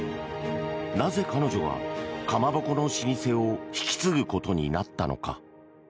なぜ彼女は、かまぼこの老舗を引き継ぐことになったのか。